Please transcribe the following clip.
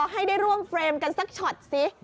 ให้ได้ร่วมเฟรมกันสักช็อตซิ